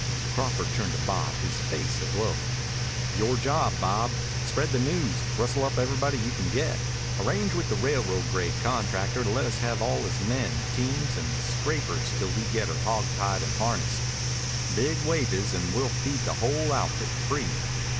Crawford turned to Bob, his face aglow. "Yore job, Bob. Spread the news. Rustle up everybody you can get. Arrange with the railroad grade contractor to let us have all his men, teams, and scrapers till we get her hogtied and harnessed. Big wages and we'll feed the whole outfit free.